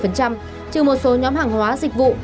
trừ một số nhóm hàng hóa dịch vụ